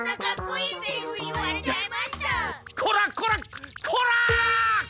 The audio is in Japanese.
こらこらこら！